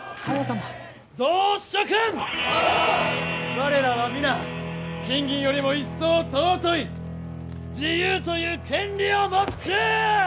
我らは皆金銀よりも一層尊い自由という権利を持っちゅう！